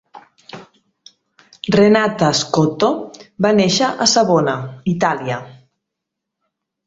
Renata Scotto va néixer a Savona, Itàlia.